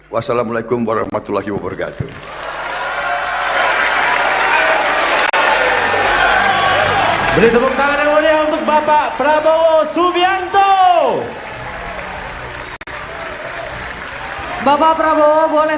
wassalamualaikum warahmatullahi wabarakatuh